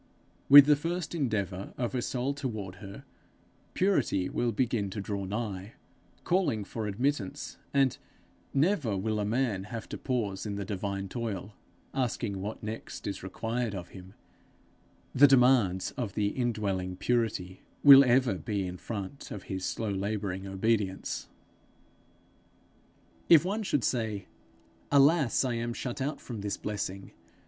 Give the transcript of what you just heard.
With the first endeavour of a soul toward her, Purity will begin to draw nigh, calling for admittance; and never will a man have to pause in the divine toil, asking what next is required of him; the demands of the indwelling Purity will ever be in front of his slow labouring obedience. If one should say, 'Alas, I am shut out from this blessing!